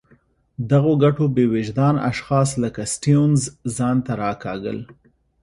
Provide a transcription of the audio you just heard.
دغو ګټو بې وجدان اشخاص لکه سټیونز ځان ته راکاږل.